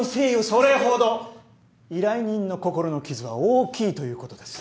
それほど依頼人の心の傷は大きいということです。